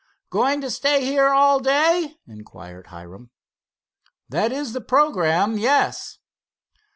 "Going to stay here all day?" inquired Hiram. "That is the programme, yes."